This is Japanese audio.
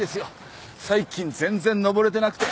最近全然登れてなくて。